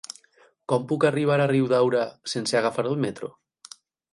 Com puc arribar a Riudaura sense agafar el metro?